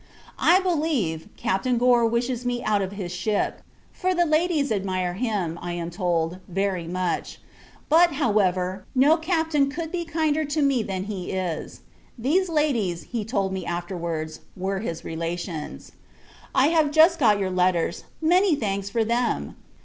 I believe, Captain Gore wishes me out of his ship; for the ladies admire him, I am told, very much: but, however, no Captain could be kinder to me than he is. These ladies, he told me afterwards, were his relations. I have just got your letters; many thanks, for them!